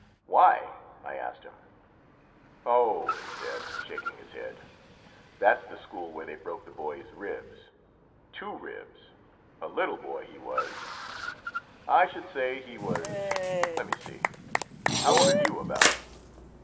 "Why?" I asked him. "Oh!" he said, shaking his head, "that's the school where they broke the boy's ribs two ribs a little boy he was. I should say he was let me see how old are you, about?"